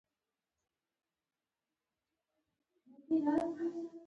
ترموز د کوچني اختر چای وړاندې کوي.